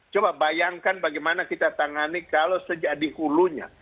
coba bayangkan bagaimana kita tangani kalau sejak di hulunya